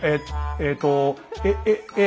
えっとえ円。